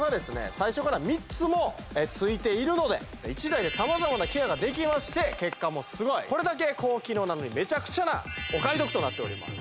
最初から３つもついているので１台で様々なケアができまして結果もすごいこれだけ高機能なのにメチャクチャなお買い得となっております